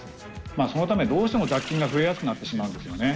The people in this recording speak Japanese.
まあそのためどうしても雑菌が増えやすくなってしまうんですよね。